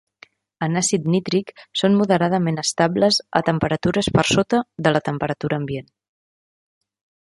En àcid nítric són moderadament estables a temperatures per sota de la temperatura ambient.